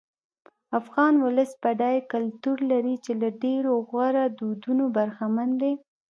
افغان ولس بډای کلتور لري چې له ډېرو غوره دودونو برخمن دی.